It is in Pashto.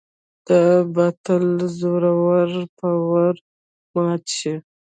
د باطل زور ورو په ورو مات شي.